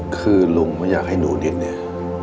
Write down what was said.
คือลุงว่าอยากให้หนูนิดเนี่ย